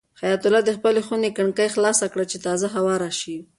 حیات الله د خپلې خونې کړکۍ خلاصه کړه چې تازه هوا راشي.